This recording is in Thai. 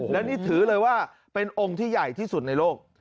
และนี่ถือเลยว่าเป็นองค์ที่ใหญ่ที่สุดในโลก